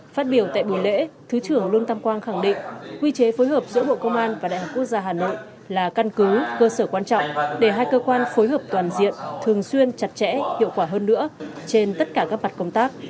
phát biểu tại buổi lễ thứ trưởng lương tâm quang khẳng định quy chế phối hợp giữa bộ công an và đại học quốc gia hà nội là căn cứ cơ sở quan trọng để hai cơ quan phối hợp toàn diện thường xuyên chặt chẽ hiệu quả hơn nữa trên tất cả các mặt công tác